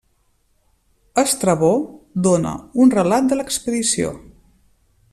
Estrabó dóna un relat de l'expedició.